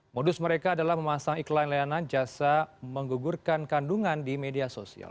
modus mereka adalah memasang iklan layanan jasa menggugurkan kandungan di media sosial